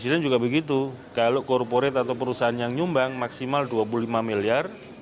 presiden juga begitu kalau korporat atau perusahaan yang nyumbang maksimal dua puluh lima miliar